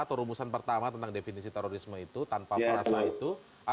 atau rumusan pertama tentang definisi terorisme itu tanpa frasa itu